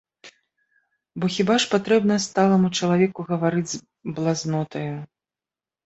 Бо хіба ж патрэбна сталаму чалавеку гаварыць з блазнотаю?!